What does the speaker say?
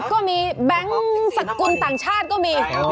แบงค์๒๐ก็มีแบงค์สัตว์กุลต่างชาติก็มี